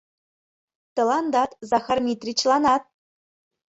Тыландат, Захар Митричланат.